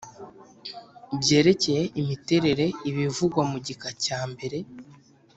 byerekeye imiterere bivugwa mu gika cya mbere